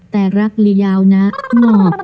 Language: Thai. แต่รักลียาวนะงอก